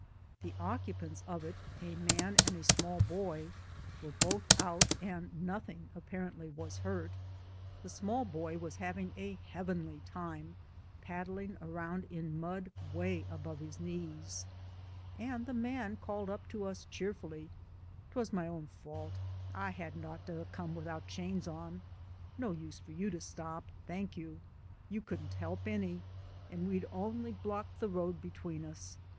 The occupants of it, a man and a small boy, were both out and nothing, apparently, was hurt. The small boy was having a heavenly time paddling around in mud way above his knees, and the man called up to us cheer fully: *Twas m'own fault ; I hadn't ought to *a* come without chains on I No use for you to stop, thank you I You couldn't help any and we'd only block th' road between us.